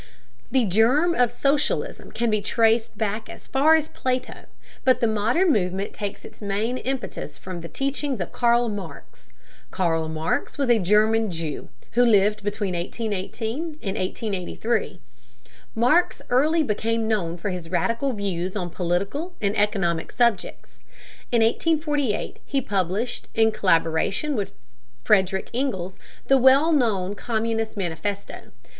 The germ of socialism can be traced back as far as Plato, but the modern movement takes its main impetus from the teachings of Karl Marx. Karl Marx was a German Jew, who lived between 1818 and 1883. Marx early became known for his radical views on political and economic subjects. In 1848, he published, in collaboration with Frederick Engels, the well known Communist Manifesto.